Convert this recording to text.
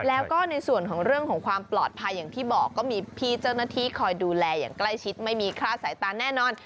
แล้วก็ในส่วนของเรื่องของความปลอดภัยอย่างที่บอกก็มีพี่เจ้าหน้าที่คอยดูแลอย่างใกล้ชิดไม่มีคลาดสายตาแน่นอน